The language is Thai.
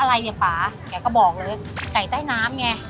อะไรอ่ะป่าแกก็บอกเลยไก่ใต้น้ำไง